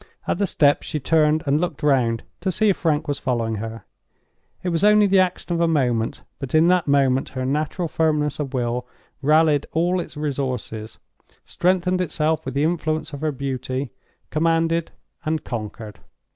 At the steps, she turned and looked round to see if Frank was following her. It was only the action of a moment; but in that moment her natural firmness of will rallied all its resources—strengthened itself with the influence of her beauty —commanded—and conquered.